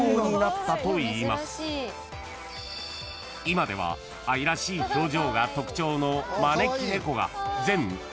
［今では愛らしい表情が特徴の招き猫が］